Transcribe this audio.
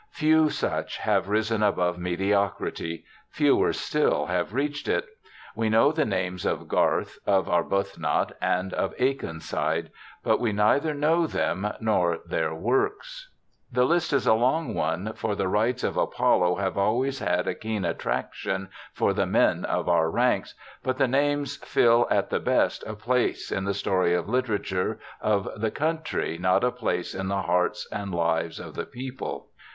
Few such have risen above mediocrity; fewer still have reached it. We know the names of Garth, of Arbuthnot, and of Akenside, but we neither know them nor their works. The list is a long one, for the rites OLIVER WENDELL HOLMES 57 of Apollo have always had a keen attraction for the men of our ranks, but the names fill at the best a place in the story of the literature of the country, not a place in the hearts and lives of the people.